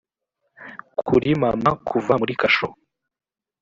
'kuri mama kuva muri kasho